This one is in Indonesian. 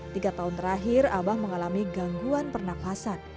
tiga tahun terakhir abah mengalami gangguan pernafasan